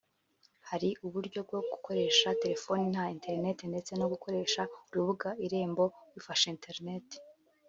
hariho uburyo bwo gukoresha telefoni nta interinet ndetse no gukoresha urubuga Irembo wifashishije internet